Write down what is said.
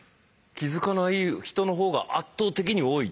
気付かない人のほうが圧倒的に多い？